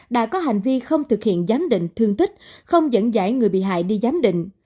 đã có hành vi không thực hiện giám định thương tích không dẫn dải người bị hại đi giám định